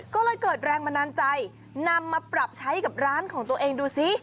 ก็เลยเกิดแรงบันดาลใจนำมาปรับใช้กับร้านของตัวเองดูสิ